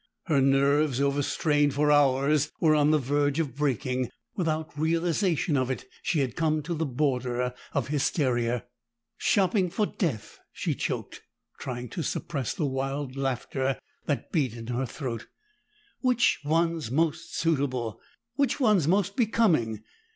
Her nerves, overstrained for hours, were on the verge of breaking; without realization of it, she had come to the border of hysteria. "Shopping for death!" she choked, trying to suppress the wild laughter that beat in her throat. "Which one's most suitable? Which one's most becoming?